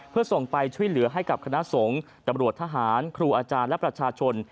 เพื่อส่งไปช่วยเหลือให้กับคณะสงฆ์ตำรวจทหารครูอาจารย์และประชาชน